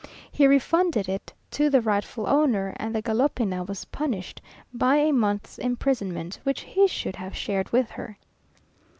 He refunded it to the rightful owner, and the galopina was punished by a month's imprisonment, which he should have shared with her.